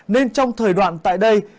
nên trong thời đoạn tại đây